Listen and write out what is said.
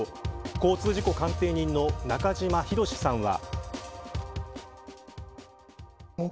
交通事故鑑定人の中島博史さんは。